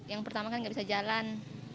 yang pertama kan nggak bisa jalan